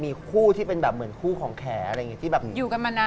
มีคู่ที่เป็นเหมือนภูของแคร์